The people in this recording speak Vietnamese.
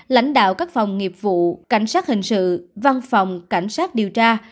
lãnh đạo các phòng nghiệp vụ cảnh sát hình sự văn phòng cảnh sát điều tra